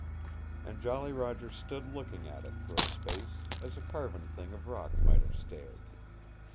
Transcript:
And Jolly Roger stood looking at it for a space, as a carven thing of rock might have stared.